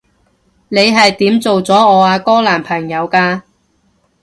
你係點做咗我阿哥男朋友㗎？